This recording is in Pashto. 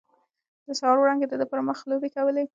د سهار وړانګې د ده پر مخ لوبې کولې.